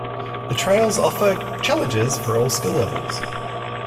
The trails offer challenges for all skill levels.